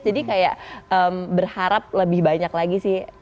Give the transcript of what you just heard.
jadi kayak berharap lebih banyak lagi sih